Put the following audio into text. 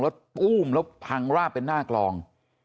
แล้วปู้มแล้วพังราบเป็นหน้ากลอง